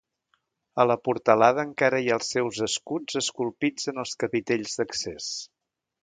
A la portalada encara hi ha els seus escuts esculpits en els capitells d'accés.